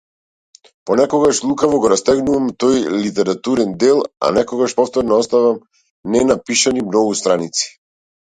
Понекогаш лукаво го растегнувам тој литерарен дел, а некогаш повторно оставам ненапишани многу страници.